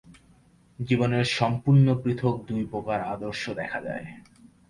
জীবনের সম্পূর্ণ পৃথক দুই প্রকার আদর্শ দেখা যায়।